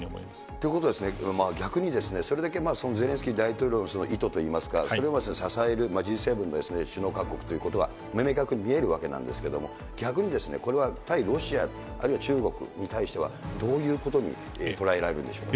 ということはですね、逆にですね、それだけゼレンスキー大統領の意図といいますか、支えるＧ７の首脳各国ということは、明確に見えるわけなんですけれども、逆にこれは対ロシア、あるいは中国に対しては、どういうことに捉えられるんでしょうか。